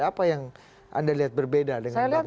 apa yang anda lihat berbeda dengan mbak mbak susatyo